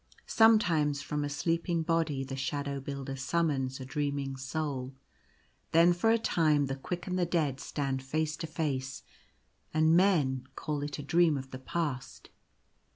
Sometimes from a sleeping body the Shadow Builder summons a dreaming soul ; then for a time the quick and the dead stand face to face, and men call it a dream of the Past.